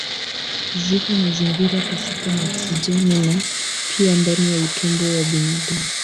Ziko mazingira pasipo na oksijeni na pia ndani ya utumbo wa binadamu.